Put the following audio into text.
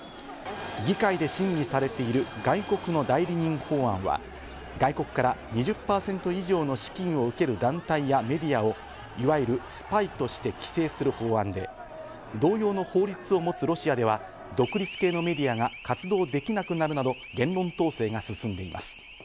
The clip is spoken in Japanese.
議会で審議されている外国の代理人法案は、外国から２０％以上の資金を受ける団体やメディアをいわゆるスパイとして規制する法案で、同様の法律を持つロシアでは独立系のメディアが活動できなくなるなど言論統制が進んでいます。